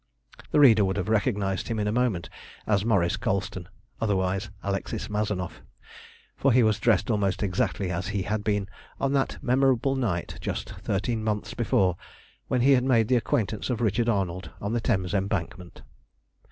The reader would have recognised him in a moment as Maurice Colston, otherwise Alexis Mazanoff, for he was dressed almost exactly as he had been on that memorable night, just thirteen months before, when he made the acquaintance of Richard Arnold on the Thames Embankment.